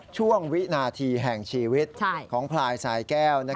ช่วงวินาทีแห่งชีวิตของพลายสายแก้ว